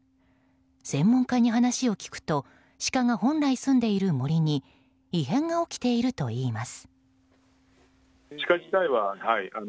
専門家に話を聞くとシカが本来住んでいる森に異変が起きているといいます。